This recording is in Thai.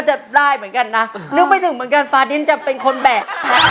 จะได้เหมือนกันนะนึกไม่ถึงเหมือนกันฟ้าดินจะเป็นคนแบก